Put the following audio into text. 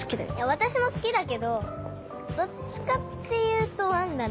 私も好きだけどどっちかっていうと『１』だね。